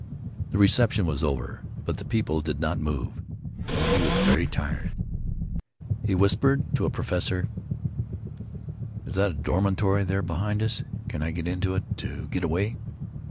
The reception was over. But the people did not move. And he was very tired. He whispered to a professor: "Is that a dormitory, there behind us? Can I get into it and get away?"